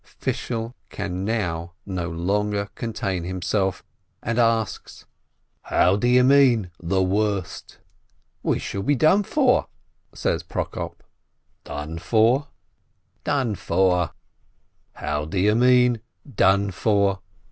Fishel can now no longer contain himself, and asks: "How do you mean, the worse?" "We shall be done for," says Prokop. "Done for?" "Done for." "How do you mean, done for?"